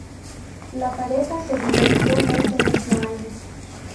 La pareja se divorció ese mismo año.